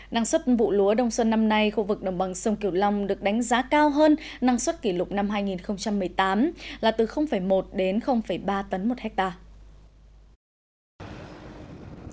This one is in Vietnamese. năng suất vụ lúa đông xuân năm nay khu vực đồng bằng sông cửu long được đánh giá cao hơn năng suất kỷ lục năm hai nghìn một mươi tám là từ một đến ba tấn một hectare